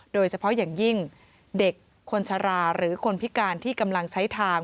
โดยเฉพาะอย่างยิ่งเด็กคนชะลาหรือคนพิการที่กำลังใช้ทาง